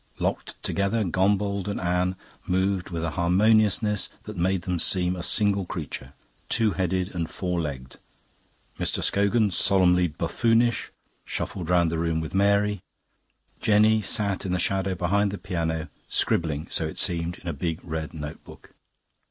Locked together, Gombauld and Anne moved with a harmoniousness that made them seem a single creature, two headed and four legged. Mr. Scogan, solemnly buffoonish, shuffled round the room with Mary. Jenny sat in the shadow behind the piano, scribbling, so it seemed, in a big red notebook.